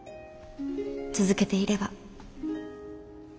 続けていれば。